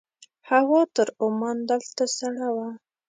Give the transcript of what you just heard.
هوا تر عمان دلته سړه وه.